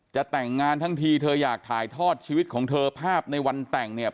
จะแต่งงานทั้งทีเธออยากถ่ายทอดชีวิตของเธอภาพในวันแต่งเนี่ย